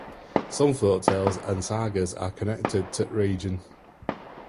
Some folk tales and sagas are connected to the region.